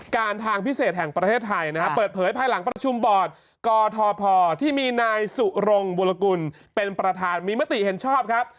ทางพิเศษแห่งประเทศไทยนะฮะเปิดเผยภายหลังประชุมบอร์ดกทพที่มีนายสุรงบุรกุลเป็นประธานมีมติเห็นชอบครับ